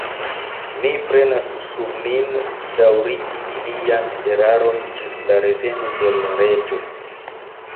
Mi prenas sur min, daŭrigi ilian eraron ĝis la reveno de l' Reĝo.